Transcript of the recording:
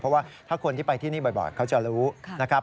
เพราะว่าถ้าคนที่ไปที่นี่บ่อยเขาจะรู้นะครับ